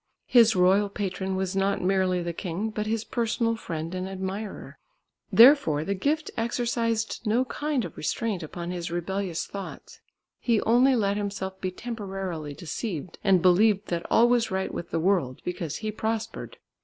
His royal patron was not merely the king but his personal friend and admirer. Therefore the gift exercised no kind of restraint upon his rebellious thoughts; he only let himself be temporarily deceived, and believed that all was right with the world, because he prospered.